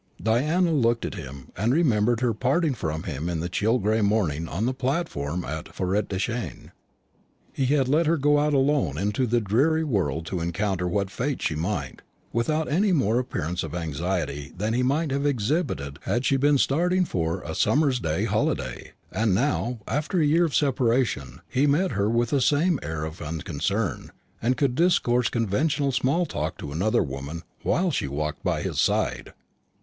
Diana looked at him, and remembered her parting from him in the chill gray morning on the platform at Forêtdechêne. He had let her go out alone into the dreary world to encounter what fate she might, without any more appearance of anxiety than he might have exhibited had she been starting for a summer day's holiday; and now, after a year of separation, he met her with the same air of unconcern, and could discourse conventional small talk to another woman while she walked by his side.